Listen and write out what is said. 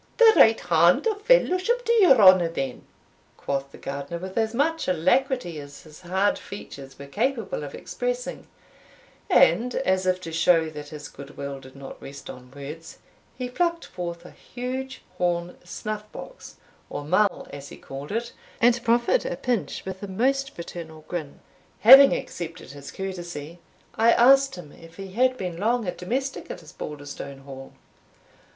"The right hand of fellowship to your honour, then," quoth the gardener, with as much alacrity as his hard features were capable of expressing, and, as if to show that his good will did not rest on words, he plucked forth a huge horn snuff box, or mull, as he called it, and proffered a pinch with a most fraternal grin. Having accepted his courtesy, I asked him if he had been long a domestic at Osbaldistone Hall.